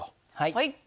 はい。